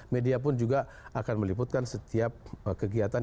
media pun juga akan meliputkan setiap kegiatan